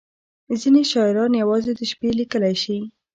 • ځینې شاعران یوازې د شپې لیکلی شي.